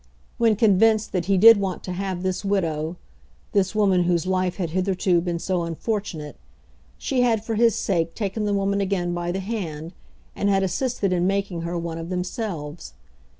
When convinced that he did want to have this widow, this woman whose life had hitherto been so unfortunate, she had for his sake taken the woman again by the hand, and had assisted in making her one of themselves.